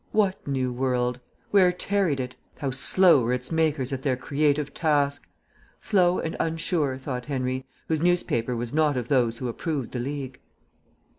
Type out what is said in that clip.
What new world? Where tarried it? How slow were its makers at their creative task! Slow and unsure, thought Henry, whose newspaper was not of those who approved the League.